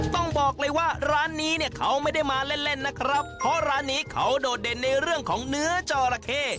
ต้องบอกเลยว่าร้านนี้เนี่ยเขาไม่ได้มาเล่นเล่นนะครับเพราะร้านนี้เขาโดดเด่นในเรื่องของเนื้อจอระเข้